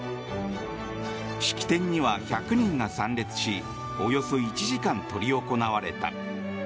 式典には１００人が参列しおよそ１時間執り行われた。